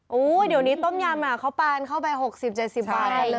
โอ้โหเดี๋ยวนี้ต้มยำเขาปานเข้าไป๖๐๗๐บาทกันเลย